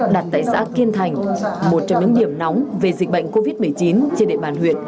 đặt tại xã kiên thành một trong những điểm nóng về dịch bệnh covid một mươi chín trên địa bàn huyện